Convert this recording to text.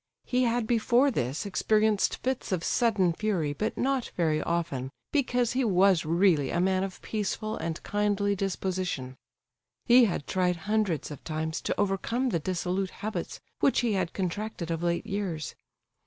He had before this experienced fits of sudden fury, but not very often, because he was really a man of peaceful and kindly disposition. He had tried hundreds of times to overcome the dissolute habits which he had contracted of late years.